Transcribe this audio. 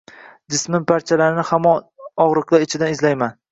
Jismim parchalarini hamon og’riqlar ichidan izlaydi.